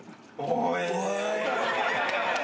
おい。